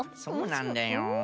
そうなんだよ。